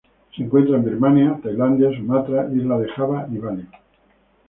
Se encuentra en Birmania, Tailandia, Sumatra, isla de Java y Bali.